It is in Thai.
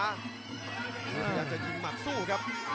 พยายามจะยิงหมัดสู้ครับ